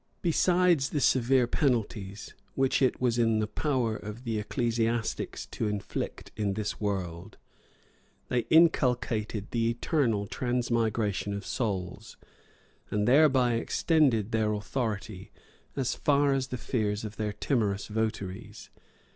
Besides the severe penalties, which it was in the power of the ecclesiastics to inflict in this world, they inculcated the eternal transmigration of souls; and thereby extended their authority as far as the fears of their timorous votaries.